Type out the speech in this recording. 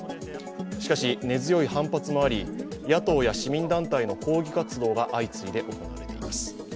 しかし、根強い反発もあり、野党や市民団体の抗議活動が相次いで行われています。